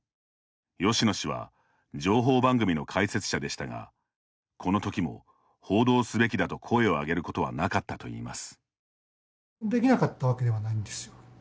吉野氏は情報番組の解説者でしたがこの時も、報道すべきだと声をあげることはなかったといいます。